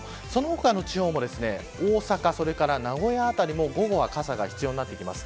その他の地方も大阪、それから名古屋辺りも午後は傘が必要になってきます。